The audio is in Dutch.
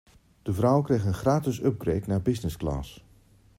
De vrouw kreeg een gratis upgrade naar businessclass.